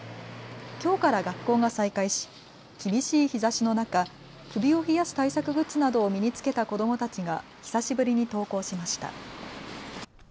きょうから学校が再開し厳しい日ざしの中、首を冷やす対策グッズなどを身に着けた子どもたちが久しぶりに登校しました。